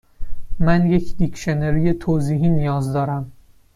من یک دیکشنری توضیحی نیاز دارم.